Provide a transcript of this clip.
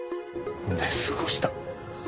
寝過ごした？